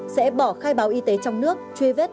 sẽ bỏ khai báo y tế trong nước truy vết